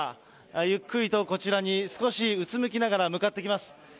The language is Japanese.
ゆっくりとこちらに少しうつむきながら向かってきます。